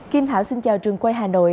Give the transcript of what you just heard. kim thảo xin chào trường quay hà nội